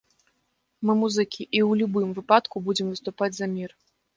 Мы музыкі, і ў любым выпадку будзем выступаць за мір.